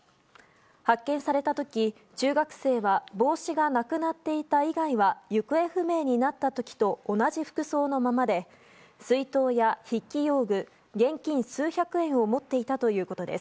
発見された時、中学生は帽子がなくなっていた以外は行方不明になった時と同じ服装のままで水筒や筆記用具、現金数百円を持っていたということです。